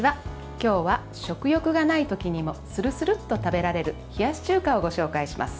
今日は食欲がない時にもするするっと食べられる冷やし中華をご紹介します。